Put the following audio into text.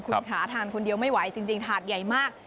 คุณขาทานคนเดียวไม่ไหวจริงถาดใหญ่มาก